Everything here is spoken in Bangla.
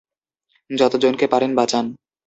যতজনকে পারেন, বাঁচান।